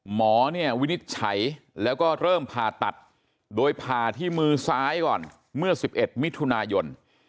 หมอเนี่ยวินิจฉัยแล้วก็เริ่มผ่าตัดโดยผ่าที่มือซ้ายก่อนเมื่อ๑๑มิถุนายน